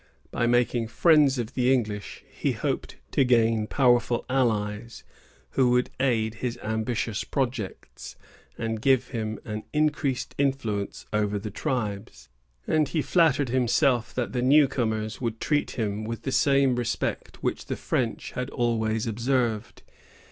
By making friends of the English, he hoped to gain powerful allies, who would aid his ambitious projects, and give him an increased influence over the tribes; and he flattered himself that the new comers would treat him with the same respect which the French had always observed.